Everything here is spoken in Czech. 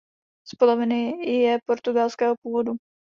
Z poloviny je portugalského původu.